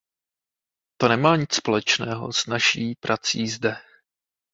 To nemá nic společného s naší prací zde.